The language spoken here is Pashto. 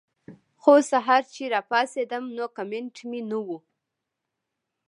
خو سحر چې راپاسېدم نو کمنټ مې نۀ وۀ